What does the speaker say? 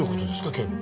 警部。